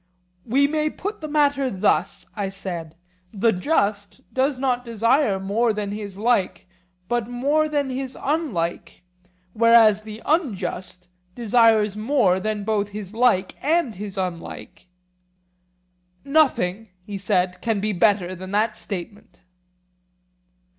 We may put the matter thus, I said—the just does not desire more than his like but more than his unlike, whereas the unjust desires more than both his like and his unlike? Nothing, he said, can be better than that statement.